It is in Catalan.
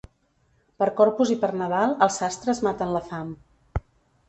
Per Corpus i per Nadal els sastres maten la fam.